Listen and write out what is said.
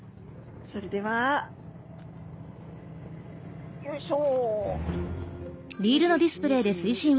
それではよいしょ。